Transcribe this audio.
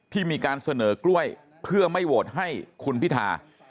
ที่มีการเสนอกล้วยเพื่อไม่โหวตให้คุณพิธา